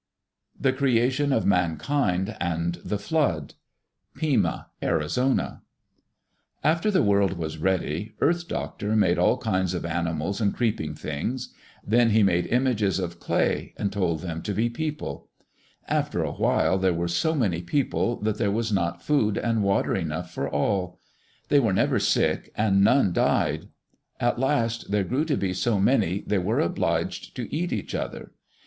The Creation of Man Kind and the Flood Pima (Arizona) After the world was ready, Earth Doctor made all kinds of animals and creeping things. Then he made images of clay, and told them to be people. After a while there were so many people that there was not food and water enough for all. They were never sick and none died. At last there grew to be so many they were obliged to eat each other.